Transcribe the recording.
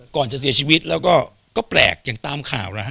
ก่อนจะเสียชีวิตแล้วก็แปลกอย่างตามข่าวแล้วฮ